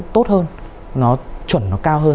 tốt hơn nó chuẩn nó cao hơn